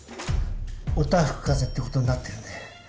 おたふくかぜってことになってるんで。